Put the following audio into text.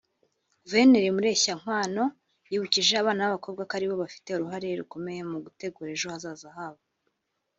Guverineri Mureshyankwano yibukije abana b’abakobwa ko aribo bafite uruhare rukomeye mu gutegura ejo hazaza habo